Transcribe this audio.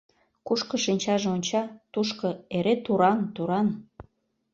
Кушко шинчаже онча, тушко — эре туран, туран.